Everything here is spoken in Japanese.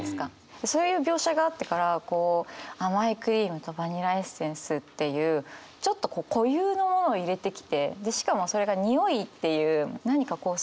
そういう描写があってからこう甘いクリームとバニラエッセンスっていうちょっと固有のものを入れてきてしかもそれが匂いっていう。